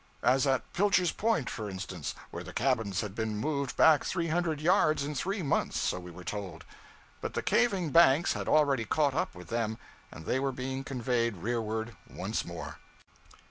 As at Pilcher's Point, for instance, where the cabins had been moved back three hundred yards in three months, so we were told; but the caving banks had already caught up with them, and they were being conveyed rearward once more.